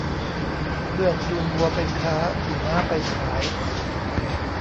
เพื่อนจูงวัวไปค้าขี่ม้าไปขาย